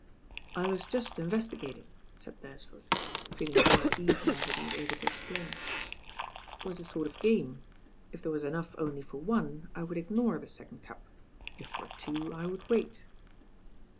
"I was just investigating," said Beresford,* feel ing more at ease now that he was able to explain. "It was a sort of game. If there was enough only for one, I would ignore the second cup; if for two» I would wait."